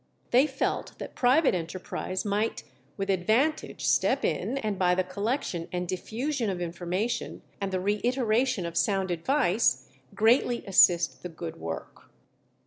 They felt that private enterprise might with advantage step in, and by the collection and diffusion of information, and the reiteration of sound advice, greatly assist the good work.